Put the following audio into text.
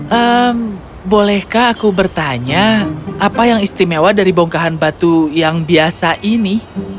hmm bolehkah aku bertanya apa yang istimewa dari bongkahan batu yang biasa ini